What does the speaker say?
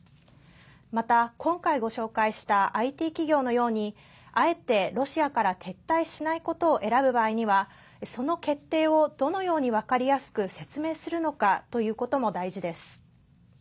また、今回ご紹介したＩＴ企業のようにあえてロシアから撤退しないことを選ぶ場合にはその決定をどのように分かりやすく説明するのかということも大事です。